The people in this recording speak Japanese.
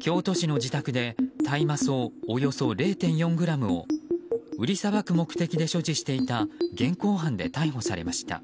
京都市の自宅で大麻草およそ０．４ｇを売りさばく目的で所持していた現行犯で逮捕されました。